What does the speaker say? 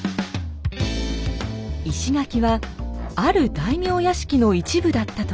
石垣はある大名屋敷の一部だったといいます。